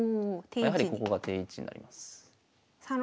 やはりここが定位置になります。